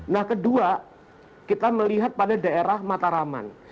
nah kedua kita melihat pada daerah mataraman